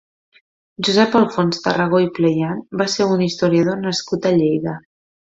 Josep Alfons Tarragó i Pleyan va ser un historiador nascut a Lleida.